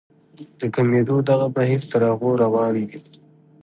د کمېدو دغه بهير تر هغو روان وي.